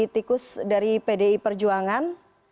tikus dari pdi perjuangan